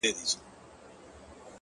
• لا څو زیاتي چي ښې ساندي یې ویلي ,